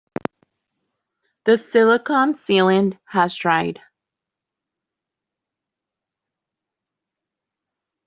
The silicon sealant has dried.